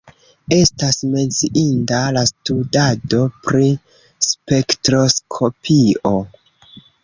Estas menciinda la studado pri spektroskopio.